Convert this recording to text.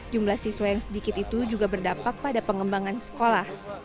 jumlah siswa yang sedikit itu juga berdampak pada pengembangan sekolah